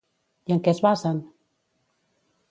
I en què es basen?